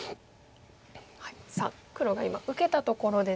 さあ黒が今受けたところですね。